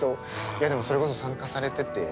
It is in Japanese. いやでもそれこそ参加されてて。